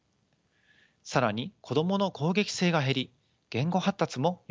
更に子どもの攻撃性が減り言語発達もよくなりました。